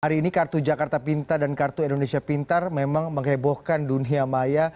hari ini kartu jakarta pintar dan kartu indonesia pintar memang menghebohkan dunia maya